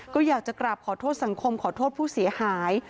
ก็อยากจะกราบขอโทษสังคมขอโทษผู้เสียหาย